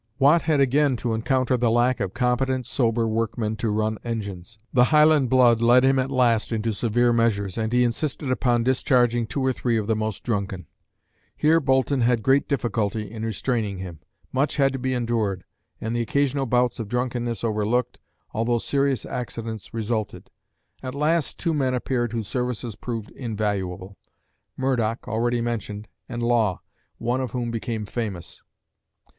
Watt had again to encounter the lack of competent, sober workmen to run engines. The Highland blood led him at last into severe measures, and he insisted upon discharging two or three of the most drunken. Here Boulton had great difficulty in restraining him. Much had to be endured, and occasional bouts of drunkenness overlooked, although serious accidents resulted. At last two men appeared whose services proved invaluable Murdoch, already mentioned, and Law one of whom became famous.